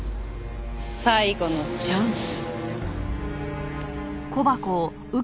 最後のチャンス。